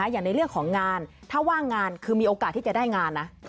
อย่างในเรื่องของงานถ้าว่างงานคือมีโอกาสที่จะได้งานนะ